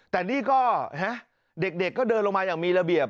แต่นี่ก็เด็กก็เดินลงมาอย่างมีระเบียบ